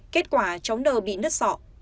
kết quả cháu n bị nứt sọ